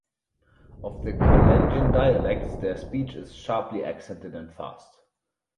Of the Kalenjin dialects, their speech is sharply accented and fast.